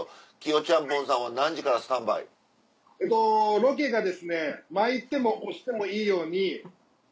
ロケが巻いても押してもいいように。